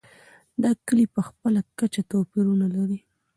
دا کلي په خپله کچه توپیرونه لري.